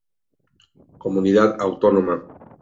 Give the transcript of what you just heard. Comunidad autónoma